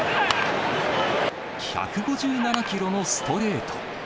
１５７キロのストレート。